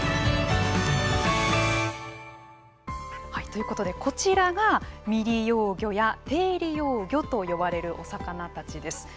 ということで、こちらが未利用魚や低利用魚と呼ばれるお魚たちです。